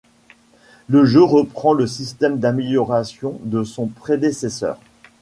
Le jeu reprend le système d'amélioration de son prédécesseur.